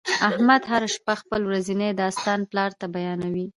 احمد هر شپه خپل ورځنی داستان پلار ته بیانوي.